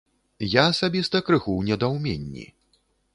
Я асабіста крыху ў недаўменні.